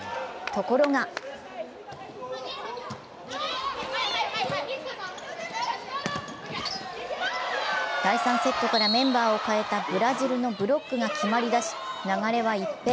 ところが第３セットからメンバーを変えたブラジルのブロックが決まりだし流れは一変。